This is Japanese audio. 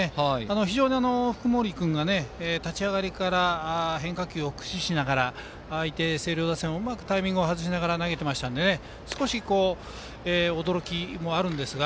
非常に福盛君が立ち上がりから変化球を駆使しながら相手、星稜打線をうまくタイミングを外しながら投げていましたので少し驚きもありますが。